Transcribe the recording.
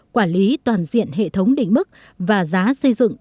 quản lý toàn diện hệ thống đỉnh mức và giá xây dựng